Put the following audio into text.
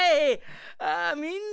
ああみんな！